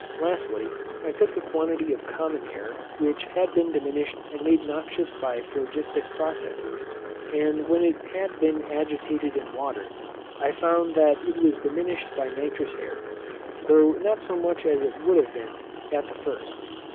Lastly, I took a quantity of common air, which had been diminished and made noxious by phlogistic processes; and when it had been agitated in water, I found that it was diminished by nitrous air, though not so much as it would have been at the first.